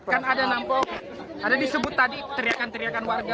kan ada nampok ada disebut tadi teriakan teriakan warga